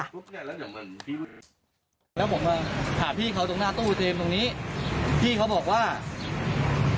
แล้วผมมาถามพี่เขาตรงหน้าตู้เตรียมตรงนี้